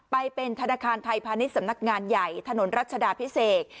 ไปเป็นธนาคารไทยพาณิชย์สำนักงานใหญ่ถนนรัชดาพิเศษ